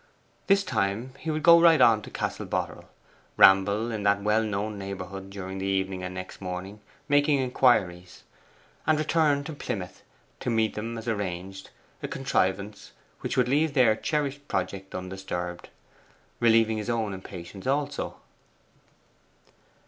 This time he would go right on to Castle Boterel; ramble in that well known neighbourhood during the evening and next morning, making inquiries; and return to Plymouth to meet them as arranged a contrivance which would leave their cherished project undisturbed, relieving his own impatience also.